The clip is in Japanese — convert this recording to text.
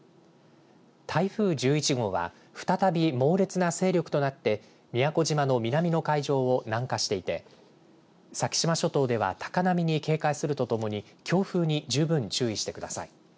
台風１１号は再び猛烈な勢力となって宮古島の南の海上を南下していて先島諸島では高波に警戒するとともに強風に十分、注意してください。